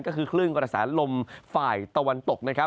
ก็คือคลื่นกระแสลมฝ่ายตะวันตก